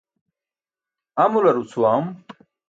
Amular ucʰuwam.